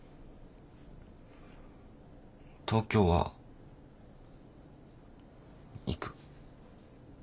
東京は行く。